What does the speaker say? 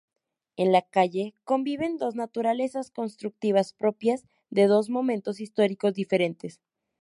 En la calle conviven dos naturalezas constructivas propias de dos momentos históricos diferentes.